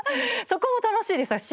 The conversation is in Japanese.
そこも楽しいです。